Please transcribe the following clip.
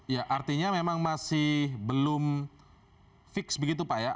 ya artinya memang masih belum fix begitu pak ya